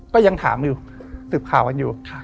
ก็ยังถามอยู่สืบข่าวกันอยู่